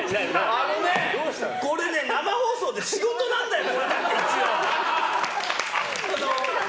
あのね、これね生放送で仕事なんだよ、一応！